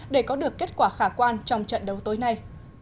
để có được kết quả khả quan trong trận đấu tối nay